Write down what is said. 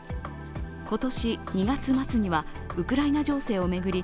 今年２月末にはウクライナ情勢を巡り